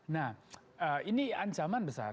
nah ini ancaman besar